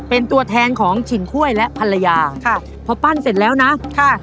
เป็นตัวแทนของฉินถ้วยและภรรยาค่ะพอปั้นเสร็จแล้วนะค่ะ